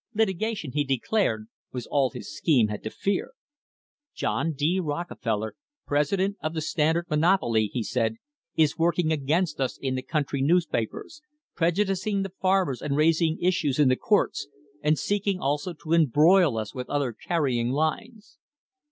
Litigation, he declared, was all his scheme had to fear. "John ^ Rockefeller, president of the Standard monopoly," he said, "is working against us in the country newspapers, prejudicing the farmers and raising issues in the courts, and seeking also to embroil us with other carrying lines."